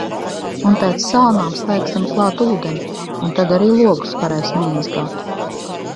Un pēc salnām slēgsim klāt ūdeni un tad arī logus varēs nomazgāt.